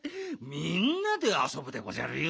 みんなであそぶでごじゃるよ。